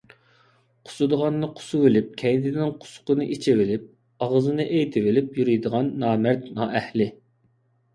قۇسۇدىغاننى قۇسۇۋېلىپ كەينىدىن قۇسۇقىنى ئىچىۋېلىپ ئاغزىنى ئېيتىۋېلىپ يۈرىدىغان نامەرد، نائەھلى.